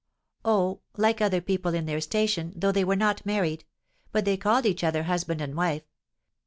"Oh, like other people in their station, though they were not married; but they called each other husband and wife.